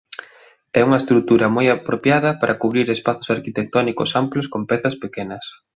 É unha estrutura moi apropiada para cubrir espazos arquitectónicos amplos con pezas pequenas.